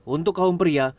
untuk kaum pria